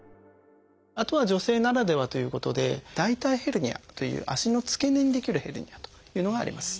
あとは女性ならではということで「大腿ヘルニア」という足の付け根に出来るヘルニアというのがあります。